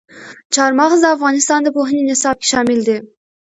چار مغز د افغانستان د پوهنې نصاب کې شامل دي.